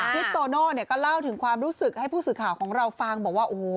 คลิปโตโน่เนี่ยก็เล่าถึงความรู้สึกให้ผู้สื่อข่าวของเราฟังบอกว่าโอ้โห